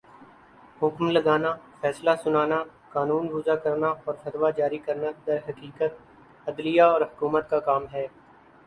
حکم لگانا، فیصلہ سنانا، قانون وضع کرنا اورفتویٰ جاری کرنا درحقیقت، عدلیہ اور حکومت کا کام ہے